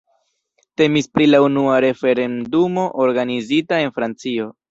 Temis pri la unua referendumo organizita en Francio.